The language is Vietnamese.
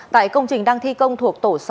tại công trình đang thi công thuộc tổ sáu